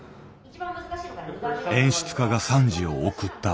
演出家が賛辞を送った。